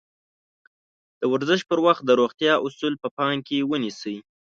د ورزش پر وخت د روغتيا اَصول په پام کې ونيسئ.